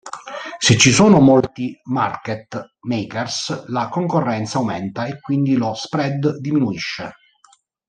Se ci sono molti market makers la concorrenza aumenta e quindi lo spread diminuisce.